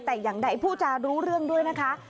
แต่อย่างใดผู้จารู้เรื่องด้วยนะคะ